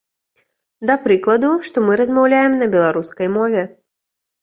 Да прыкладу, што мы размаўляем на беларускай мове.